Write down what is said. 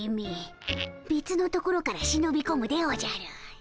べつのところからしのびこむでおじゃる！